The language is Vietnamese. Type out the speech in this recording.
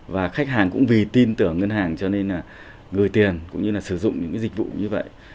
và khách hàng cũng vì tin tưởng ngân hàng cho nên là gửi tiền cũng như là sử dụng những dịch vụ như vậy